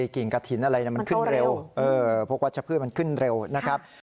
กิ่งกระถิ่นอะไรมันขึ้นเร็วพวกวัชพืชมันขึ้นเร็วนะครับ